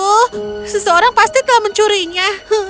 oh seseorang pasti telah mencurinya